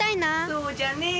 そうじゃねえ。